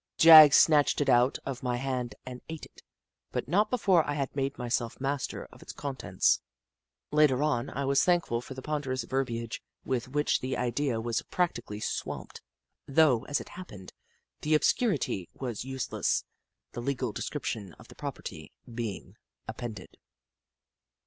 Jagg snatched it out of my hand and ate it, but not before I had made myself master of its contents. Later on, I was thankful for the ponderous verbiage with which the idea was practically swamped, though, as it happened, the obscurity was use less, the legal description of the property being appended.